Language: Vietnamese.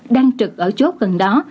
đang trực ở chốt gần đó